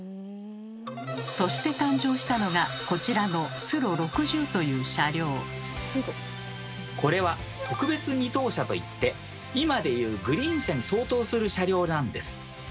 そして誕生したのがこちらのこれは「特別２等車」といって今で言うグリーン車に相当する車両なんです。